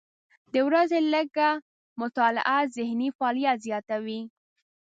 د ورځې لږه مطالعه ذهني فعالیت زیاتوي.